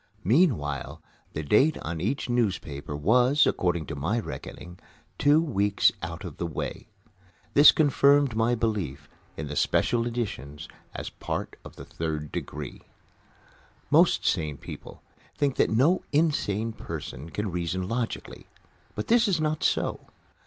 Meanwhile, the date on each newspaper was, according to my reckoning, two weeks out of the way. This confirmed my belief in the special editions as a part of the Third Degree. Most sane people think that no insane person can reason logically. But this is not so.